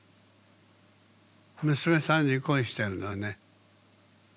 娘さんに恋してるのね。